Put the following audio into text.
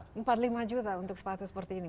rp empat puluh lima juta untuk sepatu seperti ini